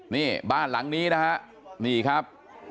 นี่บ้านหลังนี้นะฮะนี่ครับ